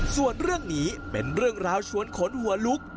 ส่วนเรื่องนี้เป็นเรื่องราวชวนขนหัวลุก